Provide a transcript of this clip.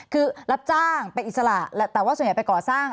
คือรับจ้างเป็นอิสระแต่ว่าส่วนใหญ่ไปก่อสร้าง